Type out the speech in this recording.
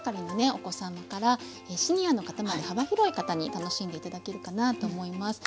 お子様からシニアの方まで幅広い方に楽しんで頂けるかなと思います。